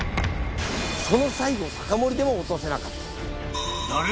その西郷隆盛でも落とせなかった。